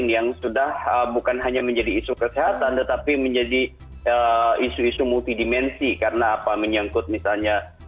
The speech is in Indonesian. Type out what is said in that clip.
yang sudah bukan hanya menjadi isu kesehatan tetapi menjadi isu isu multidimensi karena apa menyangkut misalnya